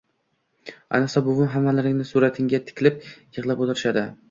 Ayniqsa buvim, hammalaringni suratinga tikilib, yig’lab o’tirishadi